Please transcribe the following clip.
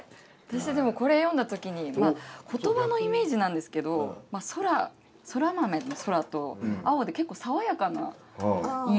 私はこれ読んだ時に言葉のイメージなんですけど空そら豆の空と青で結構爽やかな印象を受けましたね。